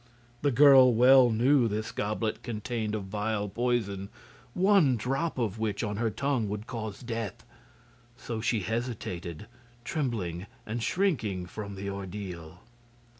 The girl well knew this goblet contained a vile poison, one drop of which on her tongue would cause death; so she hesitated, trembling and shrinking from the ordeal.